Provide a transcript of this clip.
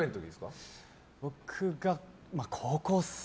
僕が高校生。